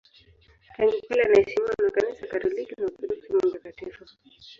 Tangu kale anaheshimiwa na Kanisa Katoliki na Waorthodoksi kama mtakatifu.